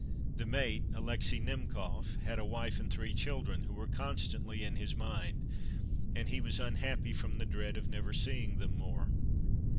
The mate, Alexis Himkof, had a wife and three children, who were constantly in his mind, and he was unhappy from the dread of never seeing them more.